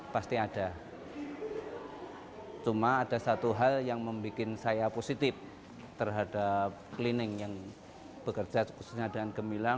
pasti ada cuma ada satu hal yang membuat saya positif terhadap cleaning yang bekerja khususnya dengan gemilang